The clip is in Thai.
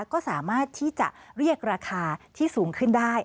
ก็สามารถที่จะเรียกราคาที่สูงขึ้นได้